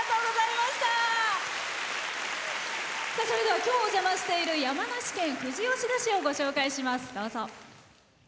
それでは今日、お邪魔している山梨県富士吉田市をご紹介します。